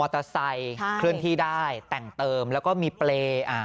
เคลื่อนที่ได้แต่งเติมแล้วก็มีเปรย์อ่า